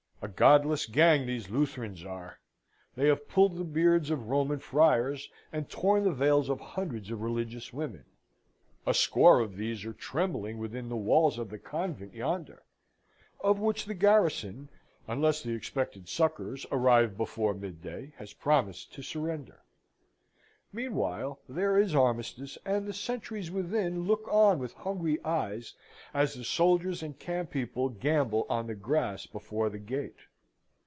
A godless gang these Lutherans are. They have pulled the beards of Roman friars, and torn the veils of hundreds of religious women. A score of these are trembling within the walls of the convent yonder, of which the garrison, unless the expected succours arrive before midday, has promised to surrender. Meanwhile there is armistice, and the sentries within look on with hungry eyes, as the soldiers and camp people gamble on the grass before the gate.